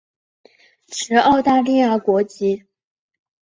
持澳大利亚国籍。